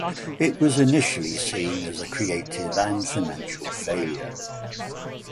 It was initially seen as a creative and financial failure.